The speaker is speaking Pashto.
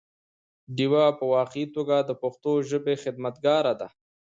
ډيوه په واقعي توګه د پښتو ژبې خدمتګاره ده